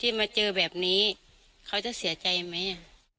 มาเจอแบบนี้เขาจะเสียใจไหม